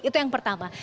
itu yang pertama